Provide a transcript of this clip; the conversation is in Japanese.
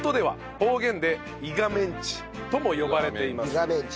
いがめんち。